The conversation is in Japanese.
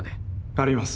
あります。